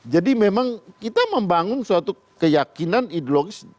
jadi memang kita membangun suatu keyakinan ideologis